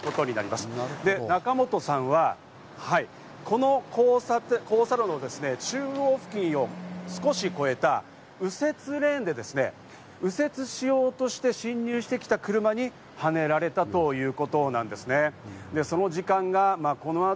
そして仲本さんは、この交差路の中央付近を少し越えた右折レーンで右折しようとして、進入してきた車にはねられたということなんですね。